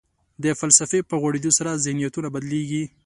د فلسفې په غوړېدو سره ذهنیتونه بدلېږي.